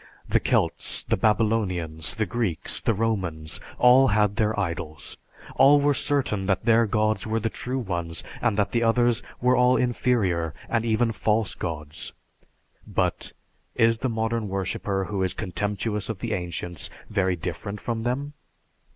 The Celts, the Babylonians, the Greeks, the Romans, all had their idols. All were certain that their gods were the true ones, and that the others were all inferior and even false gods. But, is the modern worshipper who is contemptuous of the ancients very different from them?